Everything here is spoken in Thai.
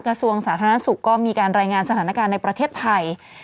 กระทรวงสาธารณสุขก็มีการรายงานสถานการณ์ในประเทศไทย